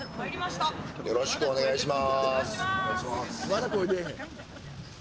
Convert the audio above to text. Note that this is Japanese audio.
よろしくお願いします。